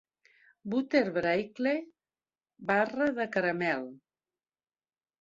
Butter Brickle... barra de caramel!